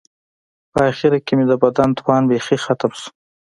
په آخر کې مې د بدن توان بیخي ختم شو.